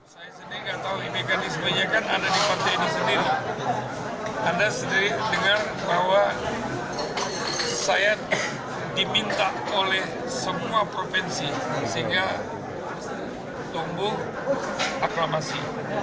saya dengar bahwa saya diminta oleh semua provinsi sehingga tumbuh aklamasi